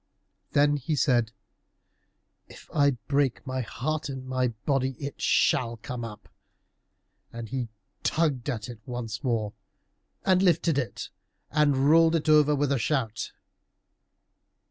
Then he said, "If I break my heart in my body it shall come up." And he tugged at it once more, and lifted it, and rolled it over with a shout.